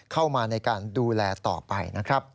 เข้ามาในการดูแลต่อไปนะครับ